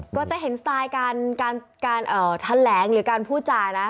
ก็จะเห็นสไตล์การแถลงหรือการพูดจานะ